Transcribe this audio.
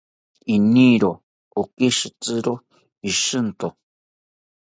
Iniro okishitziro ishinto